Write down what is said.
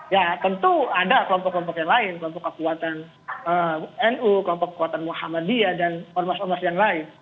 ya tentu ada kelompok kelompok yang lain kelompok kekuatan nu kelompok kekuatan muhammadiyah dan ormas ormas yang lain